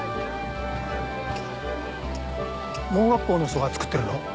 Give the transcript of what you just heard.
盲学校の人が作ってるの？